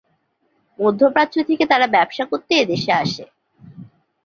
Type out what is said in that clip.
মধ্যপ্রাচ্য থেকে তারা ব্যবসা করতে এদেশে আসে।